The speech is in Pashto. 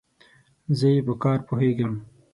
زه ئې په کار پوهېږم.